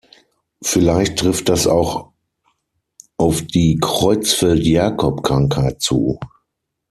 Vielleicht trifft das auch auf die Creutzfeldt-Jakob-Krankheit zu.